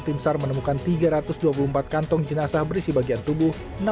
tim sar menemukan tiga ratus dua puluh empat kantong jenazah berisi bagian tubuh